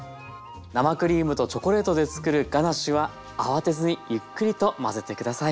生クリームとチョコレートでつくるガナッシュは慌てずにゆっくりと混ぜて下さい。